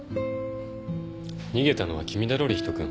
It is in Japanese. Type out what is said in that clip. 逃げたのは君だろ理人君。